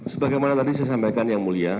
sebagai mana tadi saya sampaikan yang mulia